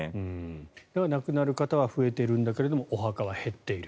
だから、亡くなる方は増えているんだけれどお墓は減っている。